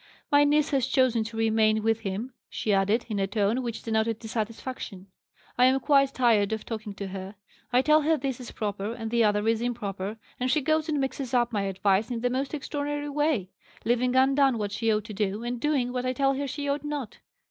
"My niece has chosen to remain with him," she added, in a tone which denoted dissatisfaction. "I am quite tired of talking to her! I tell her this is proper, and the other is improper, and she goes and mixes up my advice in the most extraordinary way; leaving undone what she ought to do, and doing what I tell her she ought not!